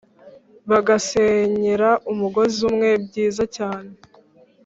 Bagasenyera umugozi umwe byiza cyane